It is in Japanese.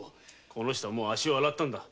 この人は足を洗ったんだ。